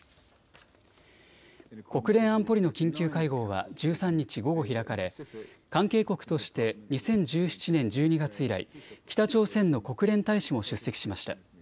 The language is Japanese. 国連安保理の緊急会合は１３日午後、開かれ関係国として２０１７年１２月以来、北朝鮮の国連大使も出席しました。